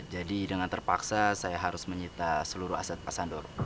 jadi dengan terpaksa saya harus menyita seluruh aset pak sandoro